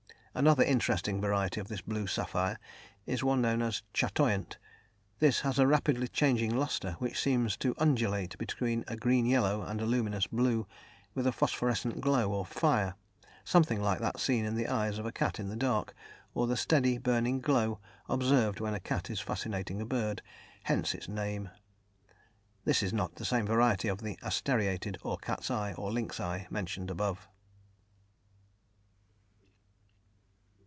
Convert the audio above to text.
Another interesting variety of this blue sapphire is one known as "chatoyant"; this has a rapidly changing lustre, which seems to undulate between a green yellow and a luminous blue, with a phosphorescent glow, or fire, something like that seen in the eyes of a cat in the dark, or the steady, burning glow observed when the cat is fascinating a bird hence its name. This is not the same variety as the "asteriated," or "cat's eye" or "lynx eye" mentioned above.